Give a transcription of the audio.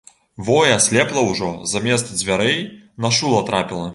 Во і аслепла ўжо, замест дзвярэй на шула трапіла.